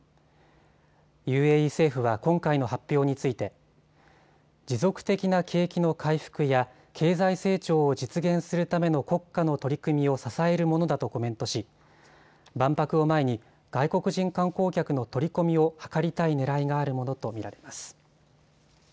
ＵＡＥ政府は今回の発表について持続的な景気の回復や経済成長を実現するための国家の取り組みを支えるものだとコメントし万博を前に外国人観光客の取り込みを図りたいねらいがあるものと見られます。